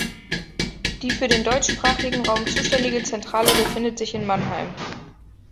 Die für den deutschsprachigen Raum zuständige Zentrale befindet sich in Mannheim.